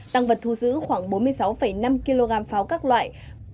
tăng vật thu giữ khoảng bốn mươi sáu năm kg pháo các loại